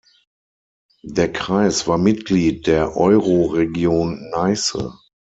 Der Kreis war Mitglied der Euroregion Neiße.